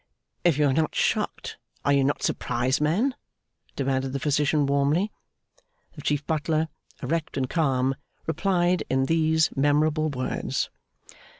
'If you are not shocked, are you not surprised, man?' demanded the Physician, warmly. The Chief Butler, erect and calm, replied in these memorable words.